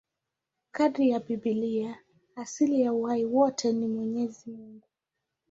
Kadiri ya Biblia, asili ya uhai wote ni Mwenyezi Mungu.